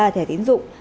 ba thẻ tín dụng